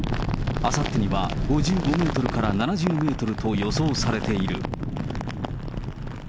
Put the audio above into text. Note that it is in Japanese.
あさってには５５メートルから７０メートルと予想されている。